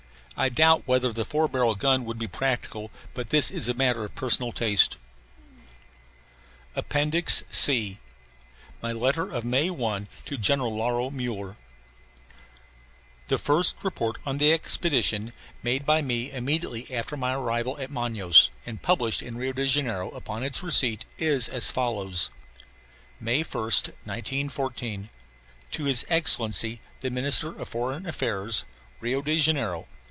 I doubt whether the four barrel gun would be practical; but this is a matter of personal taste. APPENDIX C. My Letter of May 1 to General Lauro Muller The first report on the expedition, made by me immediately after my arrival at Manaos, and published in Rio Janeiro upon its receipt, is as follows: MAY 1st, 1914. TO HIS EXCELLENCY THE MINISTER OF FOREIGN AFFAIRS, RIO DE JANEIRO.